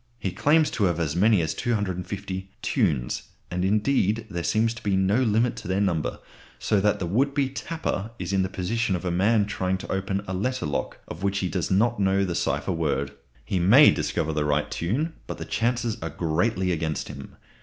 He claims to have as many as 250 "tunes"; and, indeed, there seems to be no limit to their number, so that the would be "tapper" is in the position of a man trying to open a letter lock of which he does not know the cipher word. He may discover the right tune, but the chances are greatly against him.